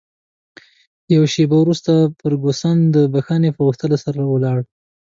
یوه شیبه وروسته فرګوسن د بښنې په غوښتلو سره ولاړه.